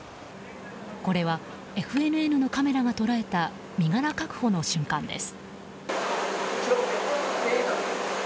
これはＦＮＮのカメラが捉えた身柄確保の瞬間です。